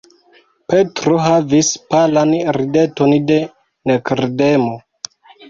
Petro havis palan rideton de nekredemo.